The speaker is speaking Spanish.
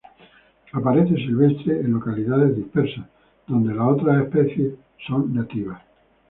Aparece silvestre en localidades dispersas donde las otras dos especies son nativas.